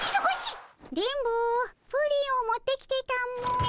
電ボプリンを持ってきてたも。